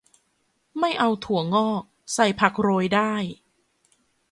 ไม่เอาถั่วงอก ใส่ผักโรยได้